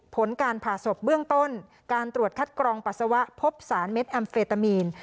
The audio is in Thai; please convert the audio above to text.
ผลการผ่าศพเบื้องต้นการตรวจคัดกรองปัสสาวะพบสารเม็ดแอมเฟตามีน